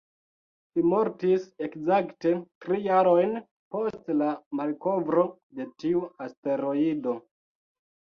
Li mortis ekzakte tri jarojn post la malkovro de tiu asteroido.